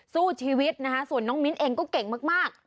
สู้ชีวิตนะคะส่วนน้องมิ้นเองก็เก่งมาก